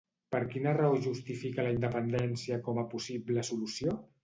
Per quina raó justifica la independència com una possible solució?